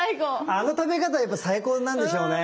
あの食べ方やっぱ最高なんでしょうね。